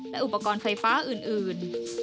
และอุปกรณ์ไฟฟ้าอื่น